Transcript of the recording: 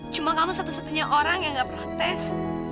cuma kamu satu satunya orang yang gak protes